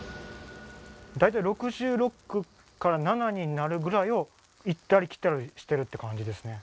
大体６６から６７になるぐらいを行ったり来たりしてるって感じですね。